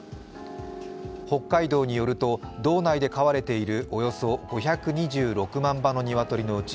北海道によると道内で飼われているおよそ５２６万羽の鶏のうち